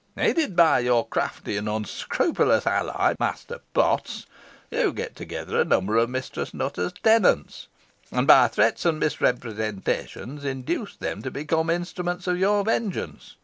Aided by your crafty and unscrupulous ally, Master Potts, you get together a number of Mistress Nutter's tenants, and, by threats and misrepresentations, induce them to become instruments of your vengeance.